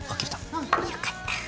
うんよかった。